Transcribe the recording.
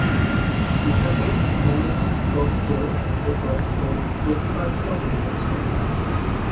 ইহাতে নানাবিধ তত্ত্ব ও দর্শন প্রতিপাদিত হইয়াছে।